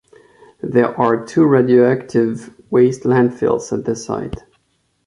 There are two radioactive waste landfills at the site.